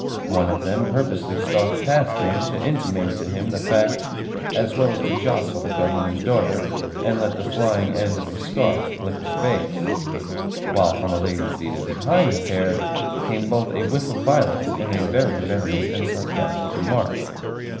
One of them purposely stalked past him to intimate to him the fact, as well as to jostle the Governor's daughter, and let the flying end of a scarf flick her face; while from a lady seated behind the pair came both a whiff of violets and a very venomous and sarcastic remark.